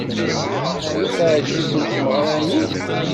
Teɛjeb-ikent tmeɣra-nni?